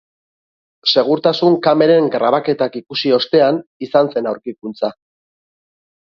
Segurtasun-kameren grabaketak ikusi ostean izan zen aurkikuntza.